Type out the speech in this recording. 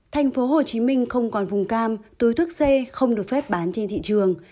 thành phố hồ chí minh không còn vùng cam túi thuốc xe không được phép bán trên thị trường